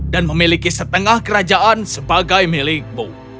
dan memiliki setengah kerajaan sebagai milikmu